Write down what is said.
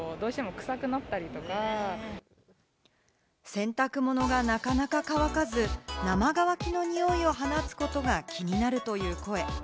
洗濯物がなかなか乾かず、生乾きの臭いを放つことが気になるという声。